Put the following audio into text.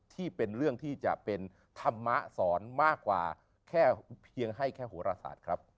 ที่เป็นเรื่องที่จะเป็นธรรมสอนมากกว่าแค่เพียงให้แค่โหรศาสตร์ครับ